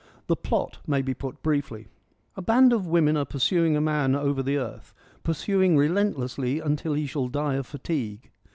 The plot may be put briefly : A band of women && pursuing a man over the earth ; pursuing relentlessly until he shall die of fatigue.